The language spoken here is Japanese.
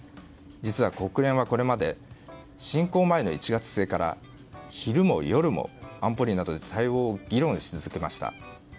実は国連はこれまで侵攻前の１月末から昼も夜も、安保理などで対応を議論し続けました。